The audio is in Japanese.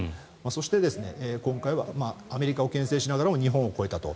そして、今回はアメリカをけん制しながらも日本を越えたと。